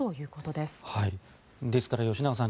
ですから吉永さん